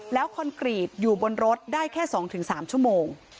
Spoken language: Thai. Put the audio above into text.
แล้วคอนกรีตอยู่บนรถได้แค่๒๓ชั่วโมง